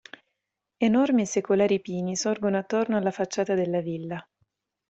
Enormi e secolari pini sorgono attorno alla facciata della villa.